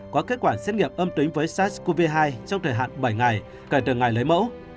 có kết quả xét nghiệm âm tính với sars cov hai trong thời hạn bảy ngày kể từ ngày lấy mẫu